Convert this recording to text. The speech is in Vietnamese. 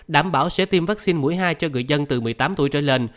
đảm bảo sẽ tiêm vaccine mũi hai cho người dân từ một mươi tám tuổi trở lên